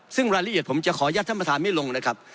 ซึ่งรายละเอียดผมจะขอยัดธรรมฐานไม่ลงนะครับ